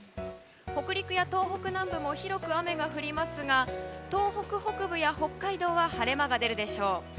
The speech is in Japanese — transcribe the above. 北陸や東北南部も広く雨が降りますが東北北部や北海道は晴れ間が出るでしょう。